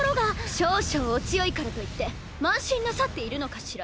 少々お強いからといって慢心なさっているのかしら。